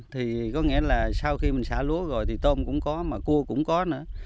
thì có nghĩa là sau khi mình xả lúa rồi thì tôm cũng có mà cua cũng có nữa